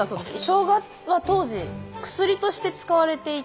ショウガは当時薬として使われていて。